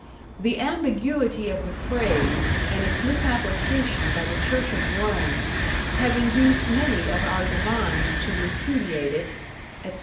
The ambiguity of the phrase, and its misapplication by the Church of Rome, have induced many of our divines to repudiate it, etc."